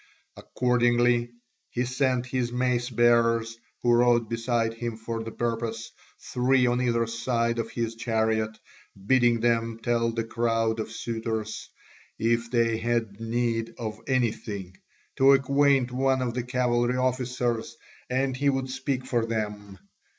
Accordingly he sent his mace bearers, who rode beside him for the purpose, three on either side of his chariot, bidding them tell the crowd of suitors, if they had need of anything, to acquaint one of the cavalry officers and he would speak for them.